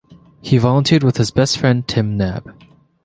He volunteered with his best friend Tim Knab.